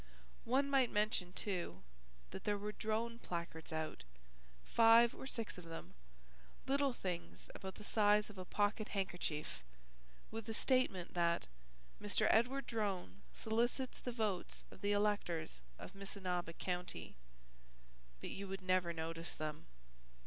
One might mention, too, that there were Drone placards out, five or six of them, little things about the size of a pocket handkerchief, with a statement that "Mr. Edward Drone solicits the votes of the electors of Missinaba County." But you would never notice them.